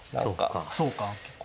そうか結構。